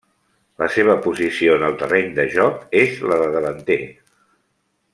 La seva posició en el terreny de joc és la de davanter.